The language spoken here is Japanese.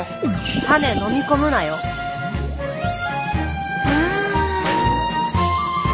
種飲み込むなよ。わ。